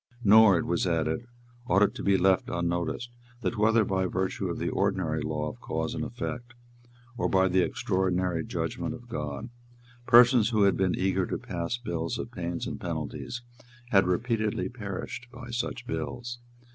Nor, it was added, ought it to be left unnoticed that, whether by virtue of the ordinary law of cause and effect, or by the extraordinary judgment of God, persons who had been eager to pass bills of pains and penalties, had repeatedly perished by such bills.